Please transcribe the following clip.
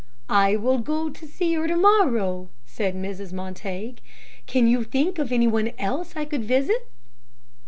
"I will go to see her to morrow," said Mrs. Montague. "Can you think of any one else I could visit?"